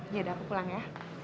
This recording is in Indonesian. ya udah aku pulang ya